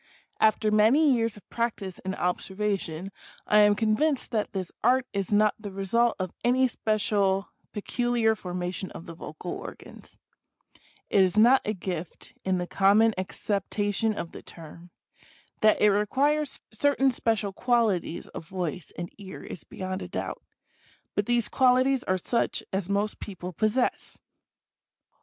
After many years of practice and observation I am convinced that this Art is not the result of any special pecu liar formation of the vocal organs. It is not a gift, in the common INTRODUCTION. V acceptation of the term. That it requires certain special qualities of voice and ear is beyond a doubt ; but these qualities are such as most people possess.